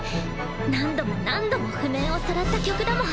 何度も何度も譜面をさらった曲だもん